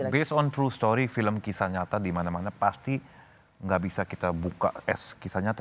based on true story film kisah nyata dimana mana pasti nggak bisa kita buka es kisah nyata